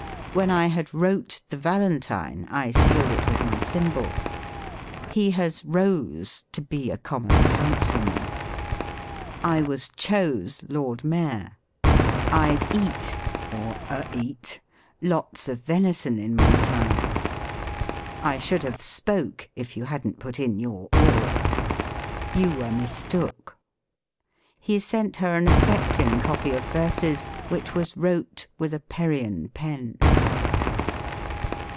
" When I had wrote the Valentine, I sealed it with my thimble." " He has rose to (be) a common councilman." "I was c^o^e Lord Mayor." "Vve eat (or a eat) lots of vension in my time." "I should have spoke if you hadn't put in your oar." "You were mistook." " He sent her an affecting copy of verses, which was wrote with a Perryian pen."